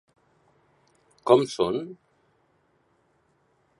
Com són?